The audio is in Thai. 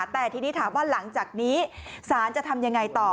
แต่ทีนี้ถามว่าหลังจากนี้สารจะทำยังไงต่อ